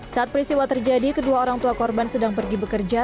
saat peristiwa terjadi kedua orang tua korban sedang pergi bekerja